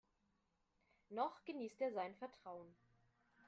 Noch genießt er sein Vertrauen.